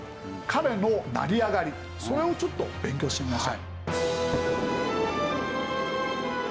彼の成り上がりそれをちょっと勉強してみましょう。